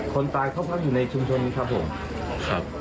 คนตายเขาพักอยู่ในสุมชนนี้ครับผม